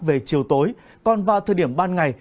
về chiều tối còn vào thời điểm ban ngày